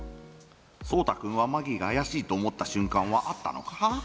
蒼汰君はマギーが怪しいと思った瞬間はあったのか？